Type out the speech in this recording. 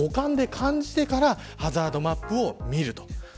五感で感じてからハザードマップを見る。